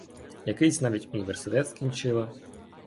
Якийсь навіть університет скінчила.